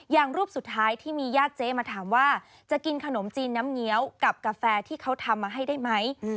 รูปสุดท้ายที่มีญาติเจ๊มาถามว่าจะกินขนมจีนน้ำเงี้ยวกับกาแฟที่เขาทำมาให้ได้ไหม